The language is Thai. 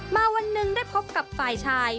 วันหนึ่งได้พบกับฝ่ายชาย